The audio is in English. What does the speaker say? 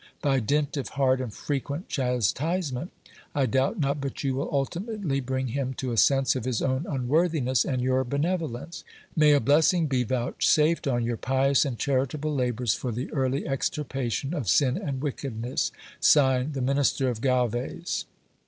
By dint of hard and frequent chastisement, I doubt not but you will ultimately bring him to a sense of his own unworthiness and your benevolence. May a blessing be vouchsafed on your pious and charitable labours, for the early extirpation of sin and wickedness! (Signed) " The Minister of Galves."